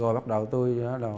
rồi bắt đầu tôi